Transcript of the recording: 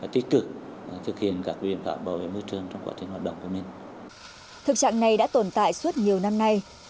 thực trạng này đã tồn tại suốt nhiều năm nay